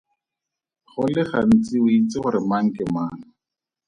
Go le gantsi o itse gore mang ke mang.